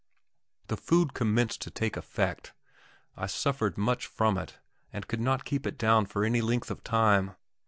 The food commenced to take effect. I suffered much from it, and could not keep it down for any length of time.